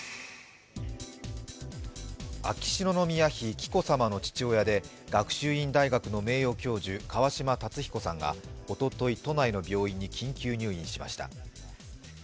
秋篠宮妃・紀子さまの父親で学習院大学の名誉教授川嶋辰彦さんがおととい、都内の病院に緊急入院しました。